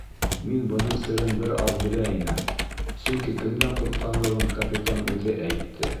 Мин бының серен бер аҙ белә инем, сөнки кемдән ҡурҡҡанлығын капитан үҙе әйтте.